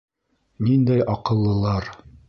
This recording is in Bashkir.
Ниндәй аҡыллылар.